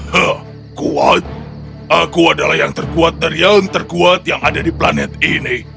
hea kuat aku adalah yang terkuat dari yang terkuat yang ada di planet ini